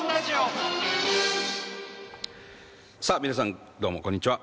さあ皆さんどうもこんにちは。